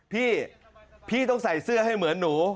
พี่พี่ต้องใส่เสื้อให้เหมือนหนู